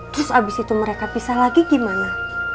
terus abis itu mereka pisah lagi gimana